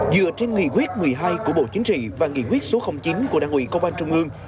dựa trên nghị quyết một mươi hai của bộ chính trị và nghị quyết số chín của đảng ủy công an trung ương